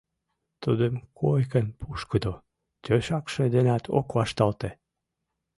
Тудым койкын пушкыдо тӧшакше денат ок вашталте.